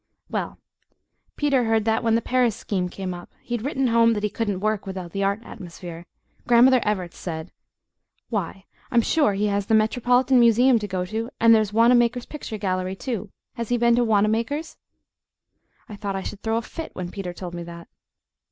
Well, Peter heard that when the Paris scheme came up he'd written home that he couldn't work without the art atmosphere Grandmother Evarts said: "Why, I'm sure he has the Metropolitan Museum to go to; and there's Wanamaker's picture gallery, too. Has he been to Wanamaker's?" I thought I should throw a fit when Peter told me that!